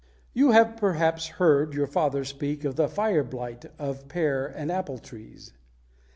= You have perhaps heard your father speak of the "fire blight" of pear and apple trees.